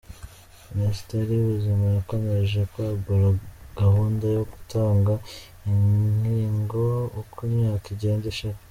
Minisiteri y’Ubuzima yakomeje kwagura gahunda yo gutanga inkingo uko imyaka igenda ishira.